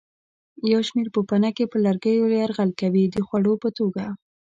یو شمېر پوپنکي پر لرګیو یرغل کوي د خوړو په توګه.